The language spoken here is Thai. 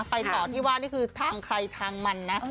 ไปต่อที่ว่านี่คือทางใครทางมันนะ